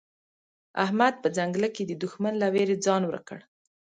احمد په ځنګله کې د دوښمن له وېرې ځان ورک کړ.